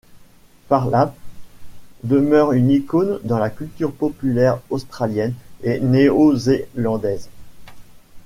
Phar Lap demeure une icône dans la culture populaire australienne et néo-zélandaise.